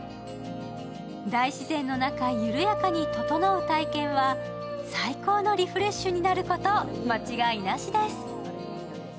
大自然の中、緩やかにととのう体験は最高のリフレッシュになること間違いなしです。